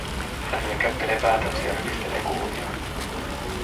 Hän nyökäyttelee päätänsä ja rypistelee kulmiaan.